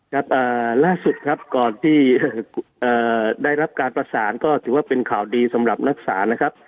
ครับล่าสุดครับก่อนที่ได้รับการประสานก็ถือว่าเป็นข่าวดีสำหรับนักศาลนะครับ